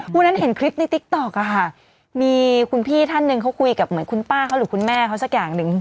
วันนั้นเห็นคลิปในติ๊กต๊อกอะค่ะมีคุณพี่ท่านหนึ่งเขาคุยกับเหมือนคุณป้าเขาหรือคุณแม่เขาสักอย่างหนึ่ง